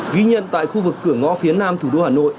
ghi nhận tại khu vực cửa ngõ phía nam thủ đô hà nội